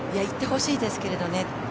いってほしいですけれどね。